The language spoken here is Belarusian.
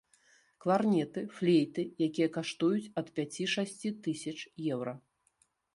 Кларнеты, флейты, якія каштуюць ад пяці-шасці тысяч еўра.